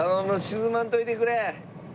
沈まんといてくれ。